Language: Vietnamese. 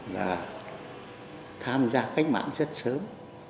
là tham gia cách mạng rất sớm